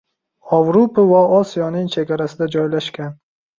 Ovrupo va Osiyoning chegarasida joylashgan